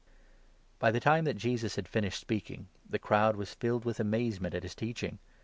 By the time that Jesus had finished speaking, the crowd was filled with amazement at his teaching.